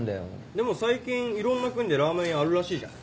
でも最近いろんな国でラーメン屋あるらしいじゃん。